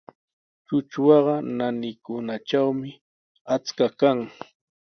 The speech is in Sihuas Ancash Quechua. Trutrwaqa naanikunatrawmi achka kan.